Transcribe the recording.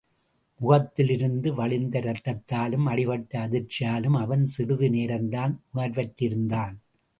முகத்திலிருந்து வழிந்த ரத்தத்தாலும், அடிபட்ட அதிர்ச்சியாலும் அவன் சிறிது நேரந்தான் உணர்வற்றிருந்தான்.